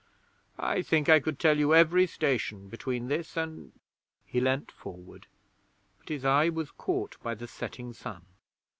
I think I could tell you every station between this and ' He leaned forward, but his eye was caught by the setting sun.